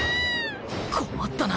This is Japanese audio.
困ったな。